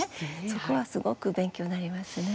そこはすごく勉強になりますね。